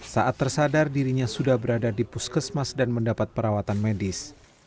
saat tersadar dirinya sudah berada di puskesmas dan mendapat perawatan medis